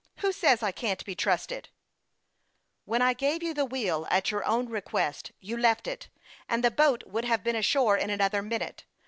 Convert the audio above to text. Who says I can't be trusted ?"" When I gave you the wheel, at your own request, you left it, and the boat would have been ashore in another mimite.